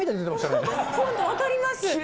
分かります。